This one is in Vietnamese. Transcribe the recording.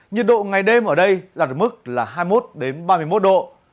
nhiệt độ ngày đêm ở đây đạt được mức là hai mươi một ba mươi một độ